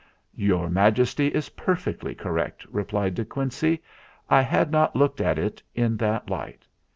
"Your Majesty is perfectly correct," replied De Quincey. "I had not looked at it in that light.